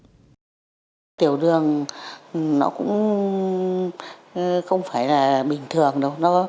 bệnh nhân cao đường nó cũng không phải là bình thường đâu